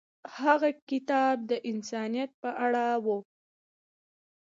هغه کتاب د انسانیت په اړه و.